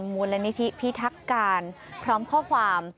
มูลนิธิพิทักการพร้อมข้อความ